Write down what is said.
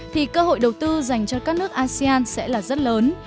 thì cơ hội đầu tư dành cho các nước asean sẽ là rất lớn